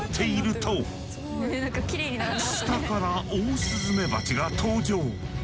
下からオオスズメバチが登場。